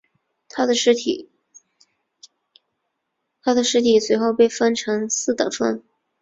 他的尸体随后被分成四等分。